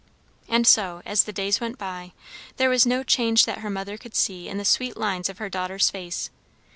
And so, as the days went by, there was no change that her mother could see in the sweet lines of her daughter's face.